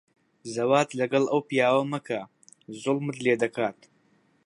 زەواج لەگەڵ ئەو پیاوە مەکە. زوڵمت لێ دەکات.